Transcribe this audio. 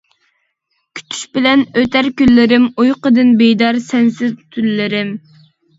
كۈتۈش بىلەن ئۆتەر كۈنلىرىم، ئۇيقۇدىن بىدار سەنسىز تۈنلىرىم.